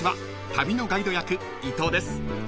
旅のガイド役伊藤です］